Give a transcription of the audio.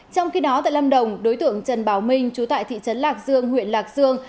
trong khi đó tại lâm đồng đối tượng trần báo minh trú tại thị trấn lạc dương huyện lạc dương